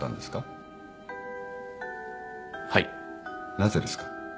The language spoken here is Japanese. なぜですか。